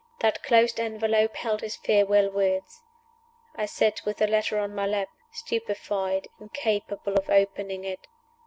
That closed envelope held his farewell words. I sat with the letter on my lap, stupefied, incapable of opening it.